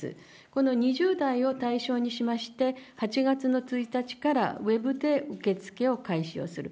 この２０代を対象にしまして、８月の１日からウェブで受け付けを開始をする。